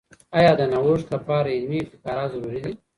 آیا د نوښت لپاره علمي ابتکارات ضروري دي؟